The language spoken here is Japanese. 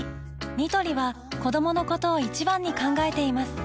ニトリは子どものことを一番に考えています